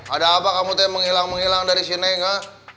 ada apa kamu tuh yang menghilang menghilang dari sini gak